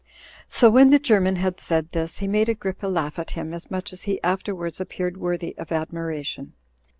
So when the German had said this, he made Agrippa laugh at him as much as he afterwards appeared worthy of admiration.